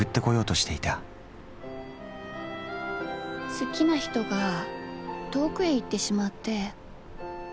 好きな人が遠くへ行ってしまって。